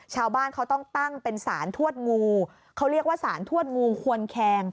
ชาวบ้านเขาต้องตั้งเป็นสารทวดงูเขาเรียกว่าสารทวดงูควนแคง